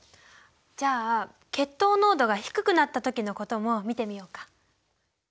じゃあ血糖濃度が低くなった時のことも見てみようか。